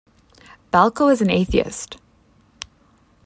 Balko is an atheist.